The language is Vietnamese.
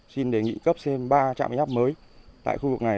xin đề nghị cấp thêm ba trạm biến áp mới tại khu vực này